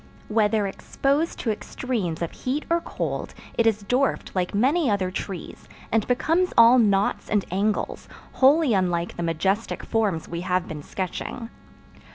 Whether exposed to extremes of heat or cold, it is dwarfed like many other trees, and becomes all knots and angles, wholly unlike the majestic forms we have been sketching.